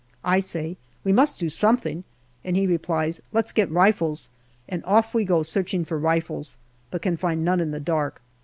I say, " We must do something/' and he replies, " Let's get rifles," and off we go searching for rifles, but can find none in the dark.